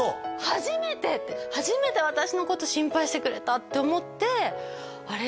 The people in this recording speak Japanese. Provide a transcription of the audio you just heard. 初めて！って初めて私のこと心配してくれたって思ってあれ？